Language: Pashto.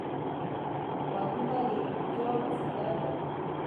غوږونه د روڼتیا وسیله ده